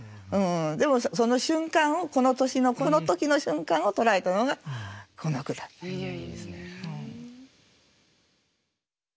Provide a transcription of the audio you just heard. でもその瞬間をこの年のこの時の瞬間を捉えたのがこの句だという。